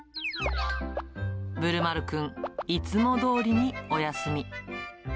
ぶるまるくん、いつもどおりにお休み。